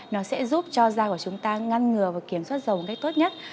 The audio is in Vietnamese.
nó sẽ giúp cho da của chúng ta ngăn ngừa và kiểm soát dầu một cách tốt nhất